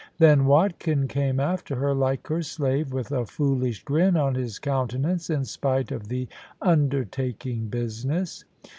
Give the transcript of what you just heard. Then Watkin came after her, like her slave, with a foolish grin on his countenance, in spite of the undertaking business.